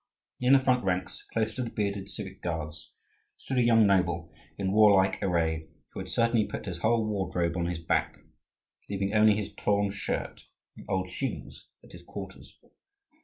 In the front ranks, close to the bearded civic guards, stood a young noble, in warlike array, who had certainly put his whole wardrobe on his back, leaving only his torn shirt and old shoes at his quarters.